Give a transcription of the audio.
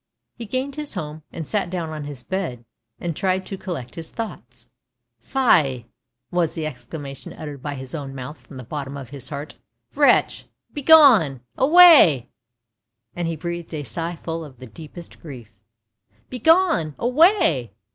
He gained his home, and sat down on his bed, and tried to collect his thoughts. " Fie! " was the exclamation uttered by his own mouth from the bottom of his heart. " Wretch ! begone ! away! " and he breathed a sigh full of the deepest grief. "Begone! away!"